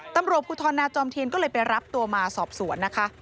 ตำรวจภูทรนาจอมเทียนก็เลยไปรับตัวมาสอบสวนนะคะ